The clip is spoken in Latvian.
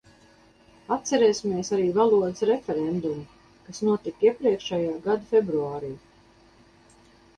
Atcerēsimies arī valodas referendumu, kas notika iepriekšējā gada februārī!